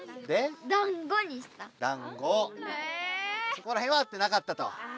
そこらへんは合ってなかったと。